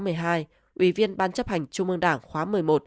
ủy viên ban chấp hành trung ương đảng khóa một mươi một một mươi hai một mươi ba